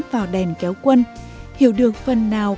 vào đèn kéo quân hiểu được phần nào